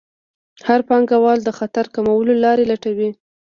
هر پانګوال د خطر کمولو لارې لټوي.